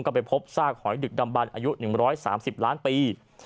ก็ไปพบซากหอยดึกดำบันอายุ๑๓๐ล้านปี